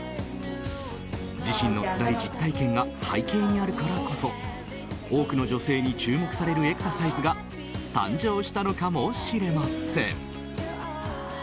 自身のつらい実体験が背景にあるからこそ多くの女性に注目されるエクササイズが誕生したのかもしれません。